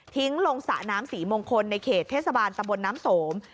ลงสระน้ำศรีมงคลในเขตเทศบาลตะบนน้ำสม